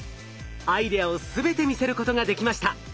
アイデアを全て見せることができました。